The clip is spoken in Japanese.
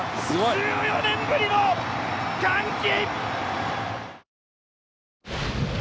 １４年ぶりの歓喜！